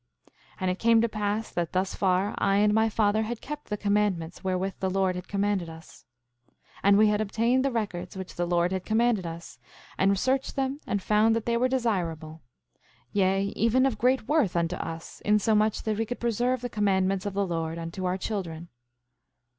5:20 And it came to pass that thus far I and my father had kept the commandments wherewith the Lord had commanded us. 5:21 And we had obtained the records which the Lord had commanded us, and searched them and found that they were desirable; yea, even of great worth unto us, insomuch that we could preserve the commandments of the Lord unto our children.